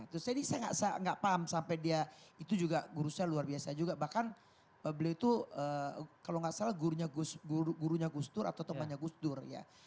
terus jadi saya nggak paham sampai dia itu juga guru saya luar biasa juga bahkan beliau itu kalau nggak salah gurunya gus dur atau temannya gus dur ya